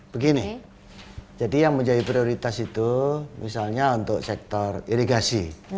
begini jadi yang menjadi prioritas itu misalnya untuk sektor irigasi